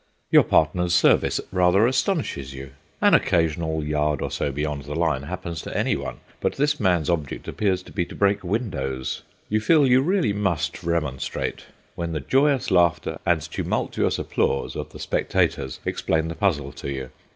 Your partner's service rather astonishes you. An occasional yard or so beyond the line happens to anyone, but this man's object appears to be to break windows. You feel you really must remonstrate, when the joyous laughter and tumultuous applause of the spectators explain the puzzle to you.